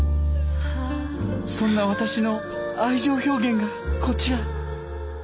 そんな私の愛情表現がこちら。